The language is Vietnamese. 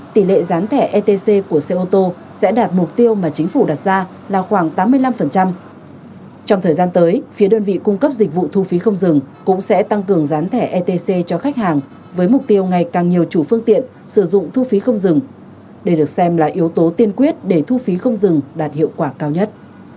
tỷ lệ gián thẻ etc của xe ô tô sẽ đạt mục tiêu mà chính phủ đặt ra là khoảng tám mươi năm